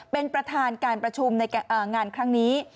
เป็นประธานการประชุมในงานครั้งนี้